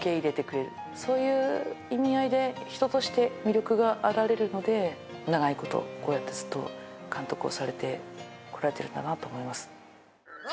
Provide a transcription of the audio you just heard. そういう意味合いで人として魅力があられるので長いことこうやってずっと監督をされて来られてるんだなと思います。